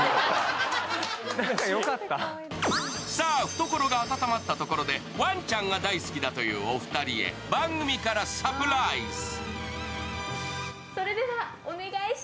懐が温まったところで、ワンちゃんがお好きだというお二人へ番組からサプライズ。